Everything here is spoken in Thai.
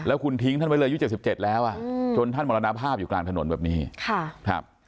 แล้วคุณทิ้งท่านไว้เลยอายุ๗๗แล้วอ่ะจนท่านมรณภาพอยู่กลางถนนแบบนี้ค่ะครับ